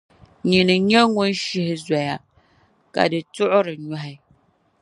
Nyini n-nyɛ ŋun shihi zoya, ka di tuɣiri nyɔhi.